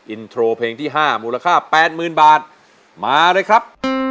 อินโทรเพลงที่๕มูลค่า๘๐๐๐บาทมาเลยครับ